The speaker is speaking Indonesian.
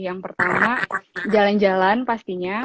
yang pertama jalan jalan pastinya